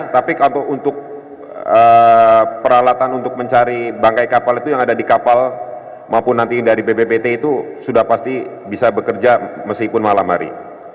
tapi kalau untuk peralatan untuk mencari bangkai kapal itu yang ada di kapal maupun nanti dari bppt itu sudah pasti bisa bekerja meskipun malam hari